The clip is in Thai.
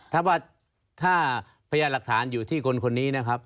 ถ้าว่าถ้าพยานหลักฐานอยู่ที่คนนี้นะครับ